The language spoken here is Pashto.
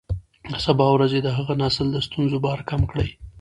د سبا ورځې د هغه نسل د ستونزو بار کم کړئ.